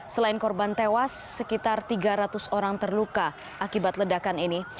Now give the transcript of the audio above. selain korban tewas sekitar tiga ratus orang terluka akibat ledakan ini